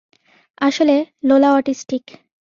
আসলে, Lola autistic.